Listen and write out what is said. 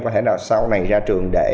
có thể sau này ra trường để